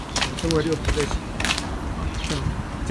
可分為六種類型